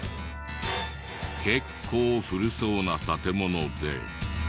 結構古そうな建物で。